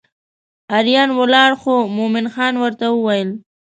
اریان ولاړ خو مومن خان ورته وویل.